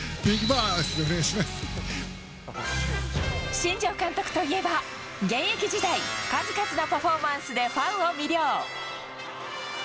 新庄監督といえば現役時代数々のパフォーマンスでファンを魅了。